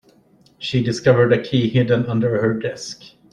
She discovered a key hidden under her desk.